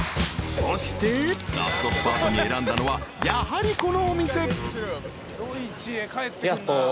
［そしてラストスパートに選んだのはやはりこのお店］ヤッホー。